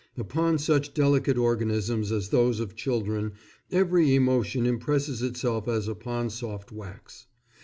Upon such delicate organisms as those of children every emotion impresses itself as upon soft wax.